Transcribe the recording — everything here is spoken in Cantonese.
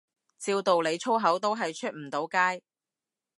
照道理粗口都係出唔到街